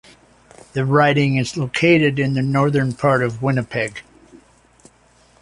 The riding is located in the northern part of Winnipeg.